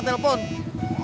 semua orang mau telepon